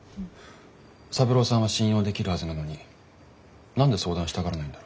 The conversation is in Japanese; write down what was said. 三郎さんは信用できるはずなのに何で相談したがらないんだろう。